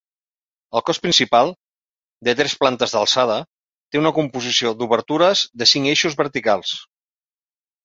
El cos principal, de tres plantes d'alçada, té una composició d'obertures de cinc eixos verticals.